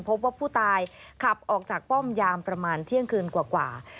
พบว่าผู้ตายขับออกจากป้อมยามประมาณเที่ยงคืนกว่า